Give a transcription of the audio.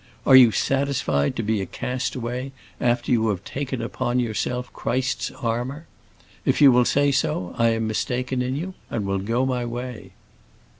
Are you satisfied to be a castaway after you have taken upon yourself Christ's armour? If you will say so, I am mistaken in you, and will go my way."